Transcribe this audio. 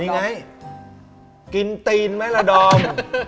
นี่ไงกินตีนไหมล่ะดอม